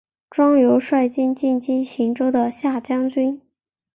庄尤率军进击荆州的下江军。